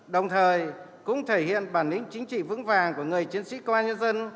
đồng thời cũng thể hiện bản lĩnh chính trị vững vàng của người chiến sĩ quan nhân dân